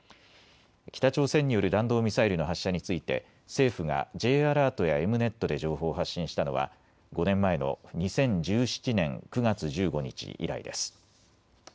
北朝鮮による弾道ミサイルの発射について、政府がＪアラートやＥｍ−Ｎｅｔで情報を発信したのは、５年前の２０１７年９月１５日以来です。